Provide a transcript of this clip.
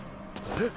えっ？